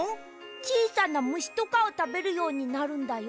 ちいさなむしとかをたべるようになるんだよ。